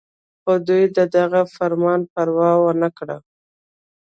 خو دوي د دغه فرمان پروا اونکړه